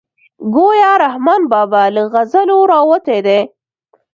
ګویا رحمان بابا له غزلو راوتی دی.